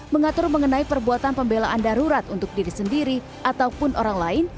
mengatur mengenai perbuatan pembelaan darurat untuk diri sendiri ataupun orang lain